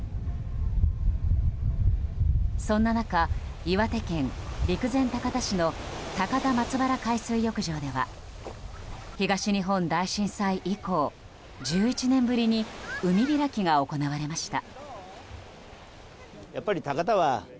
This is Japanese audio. そんな中、岩手県陸前高田市の高田松原海水浴場では東日本大震災以降、１１年ぶりに海開きが行われました。